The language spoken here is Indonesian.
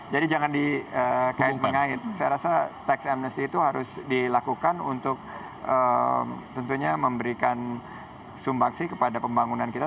jadi jangan dikait kait saya rasa tax amnesty itu harus dilakukan untuk tentunya memberikan sumbaksi kepada pembangunan kita